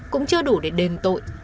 cũng chưa đủ để đền tội